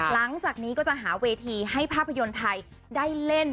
หลังจากนี้ก็จะหาเวทีให้ภาพยนตร์ไทยได้เล่น